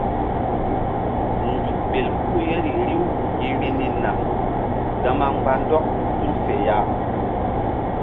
Nzuk ɓel puh yeri riw gi vbi ni naŋ gama mgba ndɔk tul fe ya.